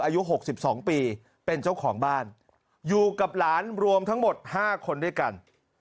อายุ๖๒ปีเป็นเจ้าของบ้านอยู่กับหลานรวมทั้งหมด๕คนด้วยกัน